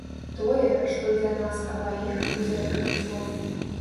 Тое, што для нас абаіх будзе адкрыццём.